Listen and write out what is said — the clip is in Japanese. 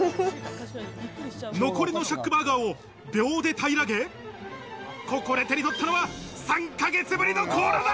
残りのシャックバーガーを秒で平らげ、ここで手に取ったのは３ヶ月ぶりのコーラだ！